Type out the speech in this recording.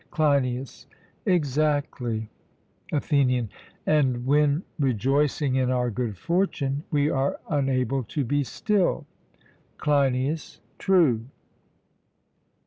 CLEINIAS: Exactly. ATHENIAN: And when rejoicing in our good fortune, we are unable to be still? CLEINIAS: True.